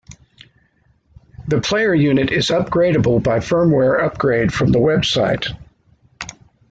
The player unit is upgradeable by firmware upgrade from the website.